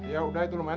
yaudah itu lumayan